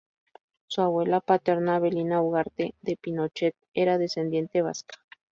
Su abuela paterna, Avelina Ugarte de Pinochet, era descendiente vasca.